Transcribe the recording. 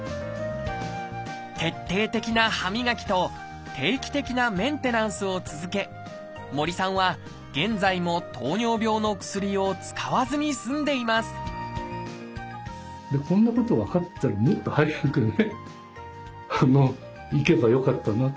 徹底的な歯磨きと定期的なメンテナンスを続け森さんは現在も糖尿病の薬を使わずに済んでいますというふうに本当感謝感謝ですね。